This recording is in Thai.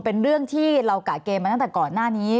เป็นเรื่องที่เรากะเกณฑ์มาตั้งแต่ก่อนหน้านี้